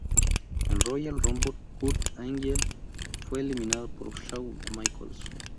En Royal Rumble, Kurt Angle fue eliminado por Shawn Michaels.